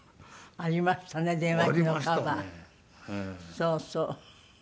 そうそう。